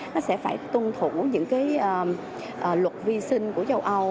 nó sẽ phải tuân thủ những cái luật vi sinh của châu âu